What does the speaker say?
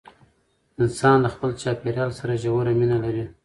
انسان له خپل چاپیریال سره ژوره مینه لري.